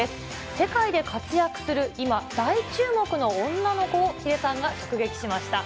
世界で活躍する、今大注目の女の子を、ヒデさんが直撃しました。